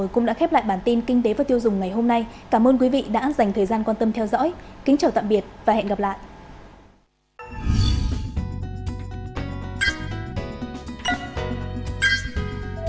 cảm ơn các bạn đã theo dõi và hẹn gặp lại